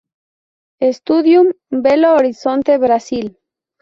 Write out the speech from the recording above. Studium, Belo Horizonte, Brasil.